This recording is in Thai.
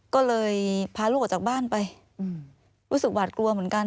ก็เลยพาลูกออกจากบ้านไปรู้สึกหวาดกลัวเหมือนกัน